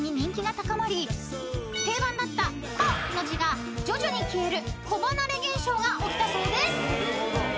［定番だった「子」の字が徐々に消える子離れ現象が起きたそうです］